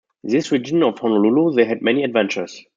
In this region of Honolulu, they had many adventures.